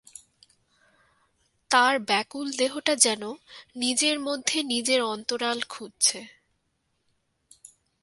তার ব্যাকুল দেহটা যেন নিজের মধ্যে নিজের অন্তরাল খুঁজছে।